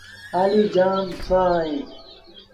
آلو جآم سُآ اهيݩ۔